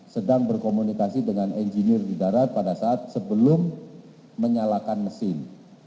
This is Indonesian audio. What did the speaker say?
sedang berkomunikasi dengan engineer di darat pada saat sebelum menyalakan mesin